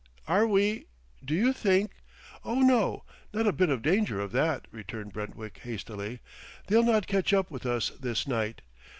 "Are we ? Do you think ?" "Oh, no; not a bit of danger of that," returned Brentwick hastily. "They'll not catch up with us this night.